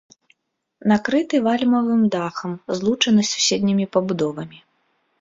Накрыты вальмавым дахам, злучаны з суседнімі пабудовамі.